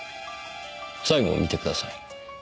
最後を見てください。